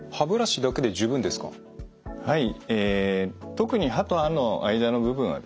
特に歯と歯の間の部分はですね